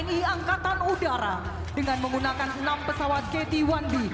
tni angkatan udara dengan menggunakan enam pesawat kt satu d